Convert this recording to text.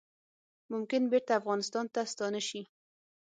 ممکن بیرته افغانستان ته ستانه شي